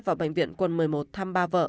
vào bệnh viện quận một mươi một thăm ba vợ